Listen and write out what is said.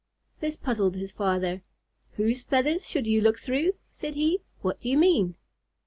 This puzzled his father. "Whose feathers should you look through?" said he. "What do you mean?"